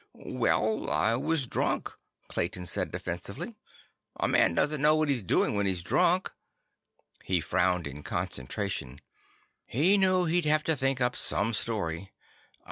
"Well, I was drunk," Clayton said defensively. "A man doesn't know what he's doing when he's drunk." He frowned in concentration. He knew he'd have to think up some story.